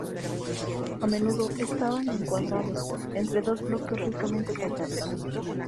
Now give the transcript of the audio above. A menudo estaban encuadrados entre dos bloques ricamente tallados.